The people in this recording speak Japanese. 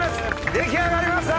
出来上がりました！